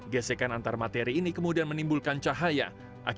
gesekan antar materi ini kemudian menimbulkan cahaya dan keadaan